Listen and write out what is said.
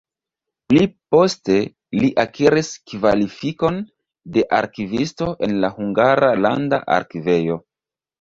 Pli poste li akiris kvalifikon de arkivisto en la Hungara Landa Arkivejo.